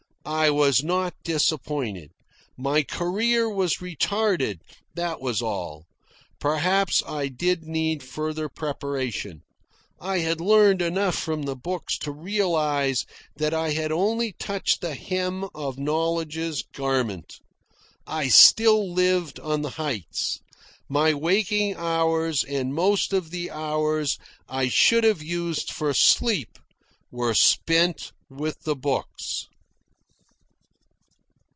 I was not disappointed. My career was retarded, that was all. Perhaps I did need further preparation. I had learned enough from the books to realise that I had only touched the hem of knowledge's garment. I still lived on the heights. My waking hours, and most of the hours I should have used for sleep, were spent with the books.